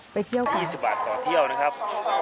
ไปเที่ยวกันนะครับค่ะ๒๐บาทต่อเที่ยวนะครับ